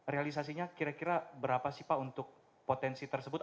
realisasinya kira kira berapa sih pak untuk potensi tersebut